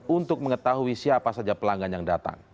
untuk mengetahui siapa saja pelanggan yang datang